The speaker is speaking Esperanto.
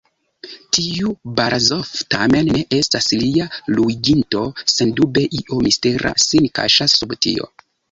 Tiu Barazof tamen ne estas lia luiginto, sendube io mistera sin kaŝas sub tio.